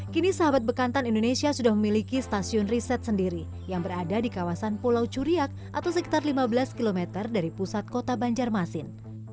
kini sahabat bekantan indonesia sudah memiliki stasiun riset sendiri yang berada di kawasan pulau curiak atau sekitar lima belas km dari pusat kota banjarmasin